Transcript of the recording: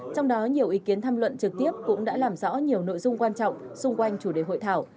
trong đó nhiều ý kiến tham luận trực tiếp cũng đã làm rõ nhiều nội dung quan trọng xung quanh chủ đề hội thảo